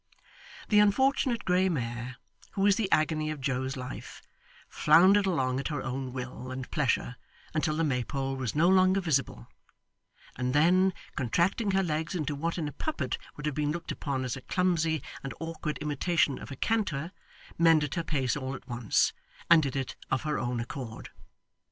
The unfortunate grey mare, who was the agony of Joe's life, floundered along at her own will and pleasure until the Maypole was no longer visible, and then, contracting her legs into what in a puppet would have been looked upon as a clumsy and awkward imitation of a canter, mended her pace all at once, and did it of her own accord.